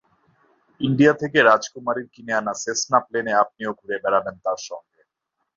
India থেকে রাজকুমারীর কিনে আনা সেসনা প্লেনে আপনিও ঘুরে বেড়াবেন তাঁর সঙ্গে।